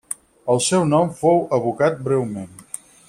El seu nom fou evocat breument.